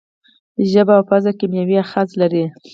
ژبه او پزه کیمیاوي آخذې لري.